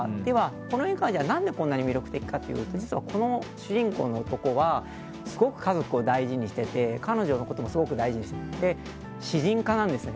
この映画はなぜこんなに魅力的かというと実は、この主人公の男はすごく家族を大事にしていて彼女のこともすごく大事にしていて詩人家なんですよね。